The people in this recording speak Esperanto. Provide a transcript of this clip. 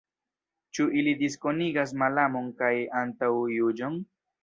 Ĉu ili diskonigas malamon kaj antaŭjuĝon?